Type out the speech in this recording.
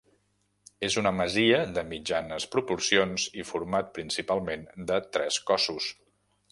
És una masia de mitjanes proporcions i format principalment de tres cossos.